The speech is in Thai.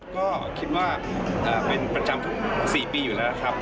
ก็คิดว่าเป็นประจำทุก๔ปีอยู่แล้วครับ